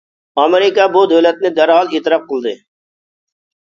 ئامېرىكا بۇ دۆلەتنى دەرھال ئېتىراپ قىلدى.